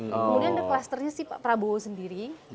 kemudian ada clusternya si pak prabowo sendiri